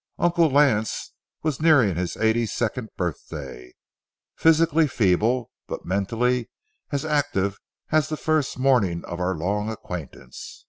Uncle Lance was nearing his eighty second birthday, physically feeble, but mentally as active as the first morning of our long acquaintance.